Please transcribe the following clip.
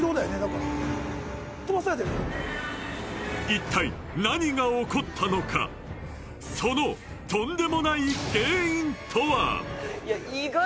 一体何が起こったのかそのとんでもない原因とは？